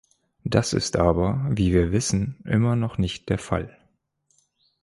Das ist aber, wie wir wissen, immer noch nicht der Fall.